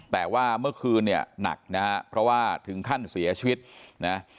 แต่ว่าเมื่อคืนเนี่ยหนักนะฮะเพราะว่าถึงขั้นเสียชีวิตนะ